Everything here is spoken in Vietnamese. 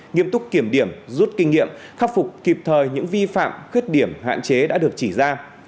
nghiêm túc kiểm điểm rút kinh nghiệm khắc phục kịp thời những vi phạm khuyết điểm hạn chế đã được chỉ ra